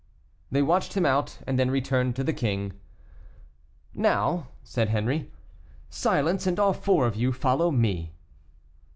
They watched him out, and then returned to the king. "Now," said Henri, "silence, and all four of you follow me."